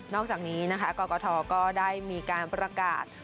อกจากนี้นะคะกรกฐก็ได้มีการประกาศ